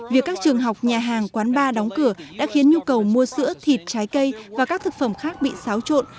việc các trường học nhà hàng quán bar đóng cửa đã khiến nhu cầu mua sữa thịt trái cây và các thực phẩm khác bị xáo trộn